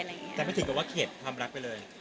แต่ไม่ถึงไว้ว่าเคล็ดความรักไปเลย